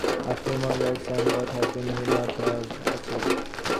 A few more years, and what might he not have achieved?